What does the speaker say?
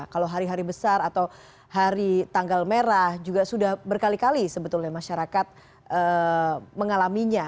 kalau hari hari besar atau hari tanggal merah juga sudah berkali kali sebetulnya masyarakat mengalaminya